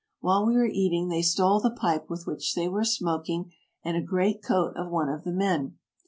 While we were eating they stole the pipe with which they were smoking and a great coat of one of the men.